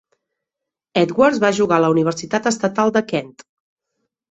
Edwards va jugar a la Universitat Estatal de Kent.